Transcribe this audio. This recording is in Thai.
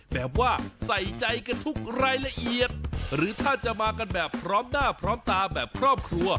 แบบว่าใส่ใจกันทุกรายละเอียดหรือถ้าจะมากันแบบพร้อมหน้าพร้อมตาแบบครอบครัว